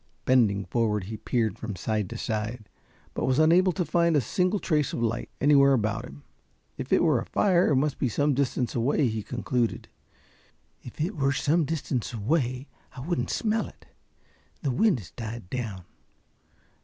Bending forward he peered from side to side, but was unable to find a single trace of light, anywhere about him. If it were a fire it must be some distance away, he concluded. "If it were some distance away, I wouldn't smell it. The wind has died down.